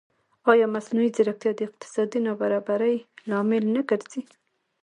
ایا مصنوعي ځیرکتیا د اقتصادي نابرابرۍ لامل نه ګرځي؟